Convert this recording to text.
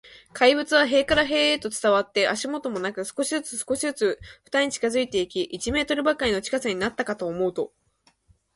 怪物は塀から塀へと伝わって、足音もなく、少しずつ、少しずつ、ふたりに近づいていき、一メートルばかりの近さになったかと思うと、